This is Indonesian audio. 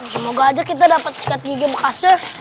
semoga aja kita dapat cikat gigi bekasnya